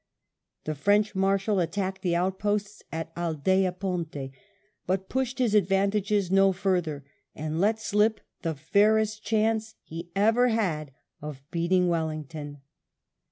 The French Marshal attacked the outposts at Aldea Ponte, but pushed his advantages no further, and let slip the fairest chance he ever had of beating Wellington.